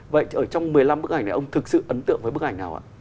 vậy ở trong một mươi năm bức ảnh này ông thực sự ấn tượng với bức ảnh nào ạ